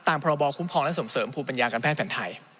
พรบคุ้มครองและส่งเสริมภูมิปัญญาการแพทย์แผ่นไทย